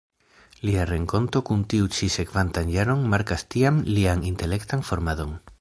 Lia renkonto kun tiu ĉi sekvantan jaron markas tiam lian intelektan formadon.